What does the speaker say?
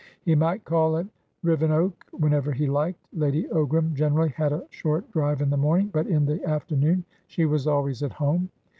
He might call at Rivenoak whenever he liked; Lady Ogram generally had a short drive in the morning, but in the afternoon she was always at home.